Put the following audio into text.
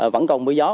vẫn còn mưa gió